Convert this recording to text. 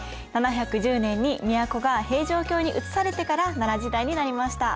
７１０年に都が平城京にうつされてから奈良時代になりました。